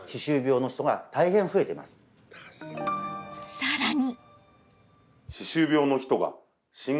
さらに！